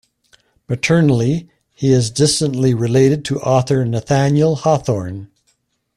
Maternally, he is distantly related to author Nathaniel Hawthorne.